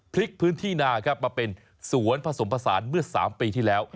พลิกพื้นที่นาครับมาเป็นสวนผสมผสานเมื่อ๓ปีที่แล้ว